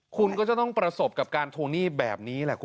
คุณก็จะต้องประสบกับการทวงหนี้แบบนี้แหละคุณ